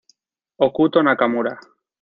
Hokuto Nakamura